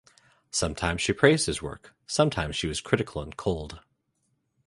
Sometimes she praised his work; sometimes she was critical and cold.